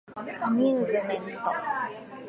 アミューズメント